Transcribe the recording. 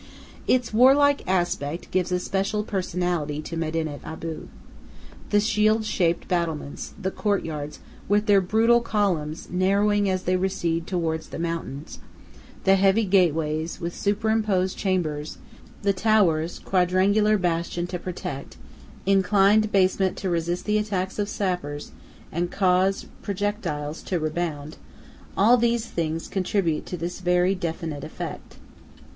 Its warlike aspect gives a special personality to Medinet Abu. The shield shaped battlements; the courtyards, with their brutal columns, narrowing as they recede towards the mountains; the heavy gateways, with superimposed chambers; the towers; quadrangular bastion to protect, inclined basement to resist the attacks of sappers and cause projectiles to rebound all these things contribute to this very definite effect.